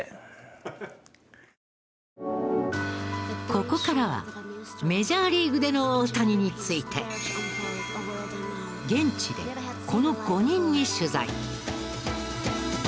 ここからはメジャーリーグでの大谷について現地でこの５人に取材。